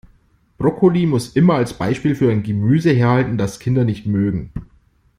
Brokkoli muss immer als Beispiel für ein Gemüse herhalten, das Kinder nicht mögen.